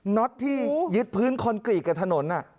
็อตที่ยึดพื้นคอนกรีตกับถนน